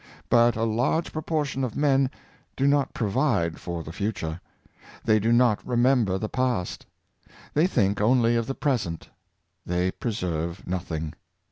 But a large proportion of men do not provide for the future. They do not re member the past. They think only of the present They preser\e nothing.